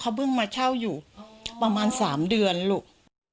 เขาเพิ่งมาเช่าอยู่ประมาณ๓เดือนลูก